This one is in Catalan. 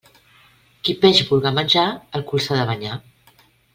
Qui peix vulga menjar, el cul s'ha de banyar.